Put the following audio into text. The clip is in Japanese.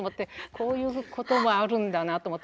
こういうこともあるんだなと思って。